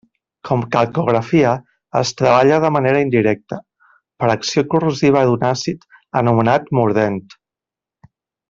Com calcografia, es treballa de manera indirecta, per acció corrosiva d'un àcid, anomenat mordent.